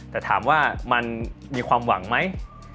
แต่ถามว่ามันมีความหวังไหม